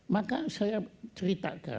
maka saya ceritakan